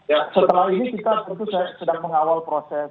ya setelah ini kita tentu sedang mengawal proses